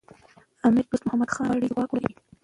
امیر دوست محمد خان غواړي چي واک ولري.